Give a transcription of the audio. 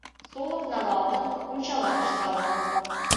Солык налалтын, пунчалат ышталтын.